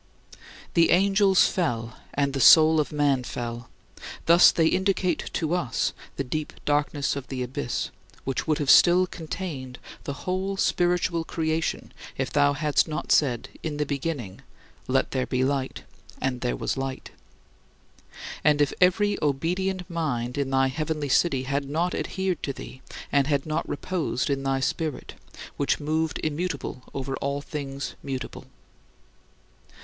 The angels fell, and the soul of man fell; thus they indicate to us the deep darkness of the abyss, which would have still contained the whole spiritual creation if thou hadst not said, in the beginning, "Let there be light: and there was light" and if every obedient mind in thy heavenly city had not adhered to thee and had not reposed in thy Spirit, which moved immutable over all things mutable.